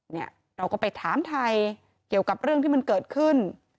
เนี่ยเราก็ไปถามไทยเกี่ยวกับเรื่องที่มันเกิดขึ้น